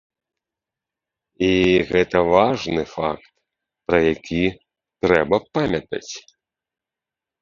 І гэта важны факт, пра які трэба памятаць.